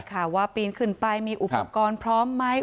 ข่าวว่าปีนขึ้นไปมีอุปกรณ์พร้อมไหม